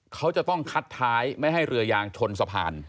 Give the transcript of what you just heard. เขาจะต้องคัดท้ายไม่ให้เรือยางชนสะพาน